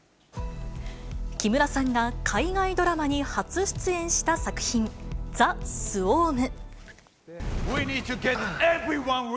木村さんが海外ドラマに初出演した作品、ザ・スウォーム。